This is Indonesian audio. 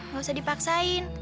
gak usah dipaksain